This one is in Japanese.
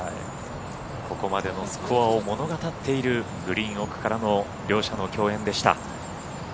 ここまでのスコアを物語っているグリーン奥からの両者の競演でした。